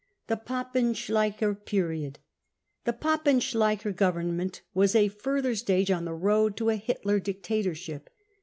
The Papen Schleicher Period. The Papen Schleicher Government was a further stage on the road to a Hitler dictatorship.